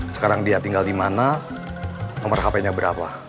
sekarang dia tinggal dimana nomer hpnya berapa